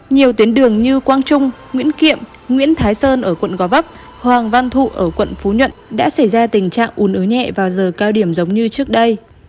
nhiều tuyến đường như quang trung nguyễn kiệm nguyễn thái sơn ở quận gò vấp hoàng văn thụ ở quận phú nhuận đã xảy ra tình trạng ùn ứ nhẹ vào giờ cao điểm giống như trước đây